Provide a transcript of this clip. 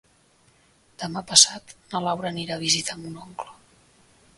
Demà passat na Laura anirà a visitar mon oncle.